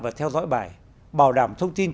và theo dõi bài bảo đảm thông tin